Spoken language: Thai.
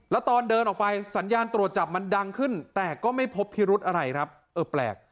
แล้วตอนเดินออกไปสัญญาณตรวจจับมันดังขึ้นแต่ก็ไม่พบพิรุธอะไรครับเออแปลก